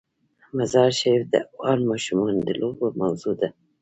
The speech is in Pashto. مزارشریف د افغان ماشومانو د لوبو موضوع ده.